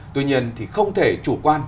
tuy nhiên thì không thể chủ quan